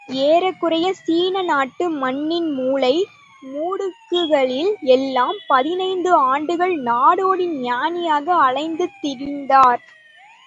ஏறக்குறைய சீன நாட்டு மண்ணின் மூலை, மூடுக்குகளில் எல்லாம் பதினைந்து ஆண்டுகள் நாடோடி ஞானியாக அலைந்து திரிந்தார்.